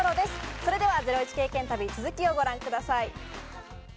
それではゼロイチ経験旅、続きをご覧ください。